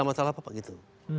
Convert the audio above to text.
gak salah apa apa gitu